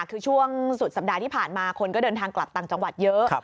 คือช่วงสุดสัปดาห์ที่ผ่านมาคนก็เดินทางกลับต่างจังหวัดเยอะ